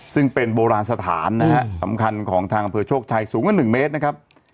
ซึ่งเป็นโบราณสถานนะฮะสำคัญของทางอำเภอโชคชัยสูงกว่า๑เมตรนะครับ